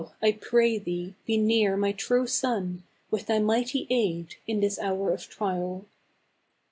I pray thee, be near my true son, with thy mighty aid, in this hour of trial."